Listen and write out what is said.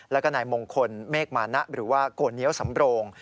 แล้วก็นายมงคลเมฆมานะหรือว่าโกเนียวสำโรง